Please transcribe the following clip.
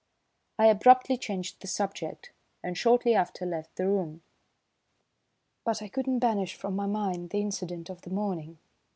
I abruptly changed the subject, and shortly after left the room. But I could not banish from my mind the incident of the morning.